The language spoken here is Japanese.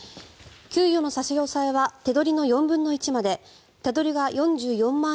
給与の差し押さえは手取りの４分の１まで手取りが４４万